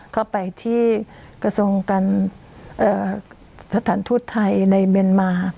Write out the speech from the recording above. เข้าไปที่กระทรวงการสถานทูตไทยในเมียนมา